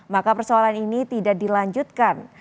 maka persoalan ini tidak dilanjutkan